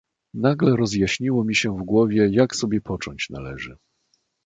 "Nagle rozjaśniło mi się w głowie, jak sobie począć należy."